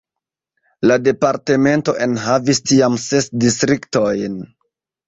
La departemento enhavis tiam ses distriktojn.